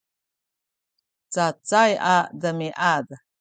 cacay a demiad